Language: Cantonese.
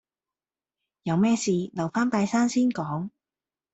有咩事，留返拜山先講